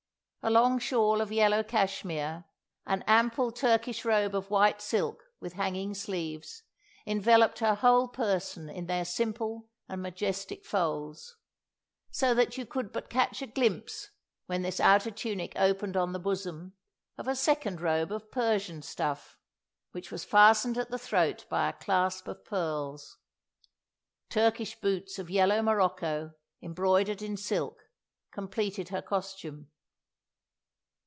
A long shawl of yellow cashmere, an ample Turkish robe of white silk, with hanging sleeves, enveloped her whole person in their simple and majestic folds; so that you could but catch a glimpse, where this outer tunic opened on the bosom, of a second robe of Persian stuff, which was fastened at the throat by a clasp of pearls. Turkish boots of yellow morocco, embroidered in silk, completed her costume.